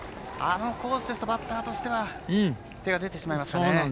あのコースだとバッターとしては手が出てしまいますね。